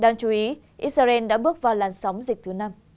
đáng chú ý israel đã bước vào làn sóng dịch thứ năm